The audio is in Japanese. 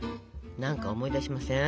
何か思い出しません？